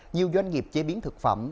nhiều doanh nghiệp chế biến thực phẩm